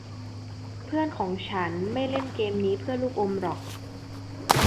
เพื่อนของฉันไม่เล่นเกมนี้เพื่อลูกอมหรอก